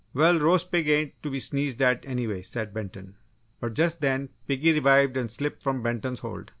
"Well, roast pig ain't to be sneezed at, anyway," said Benton. But just then, piggy revived and slipped from Benton's hold.